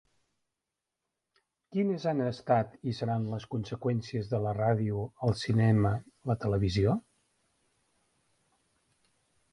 Quines han estat i seran les conseqüències de la ràdio, el cinema, la televisió...?